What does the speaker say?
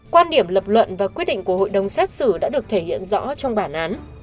quan điểm lập luận và quyết định của hội đồng xét xử đã được thể hiện rõ trong bản án